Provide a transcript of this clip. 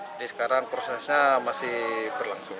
sekarang prosesnya masih berlangsung